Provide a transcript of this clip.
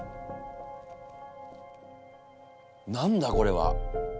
何だこれは？